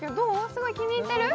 すごい気に入ってる？